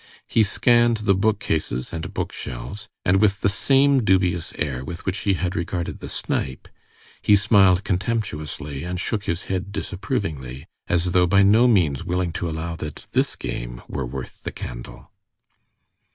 He scanned the bookcases and bookshelves, and with the same dubious air with which he had regarded the snipe, he smiled contemptuously and shook his head disapprovingly, as though by no means willing to allow that this game were worth the candle.